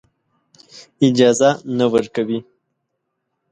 اجازه نه ورکوي.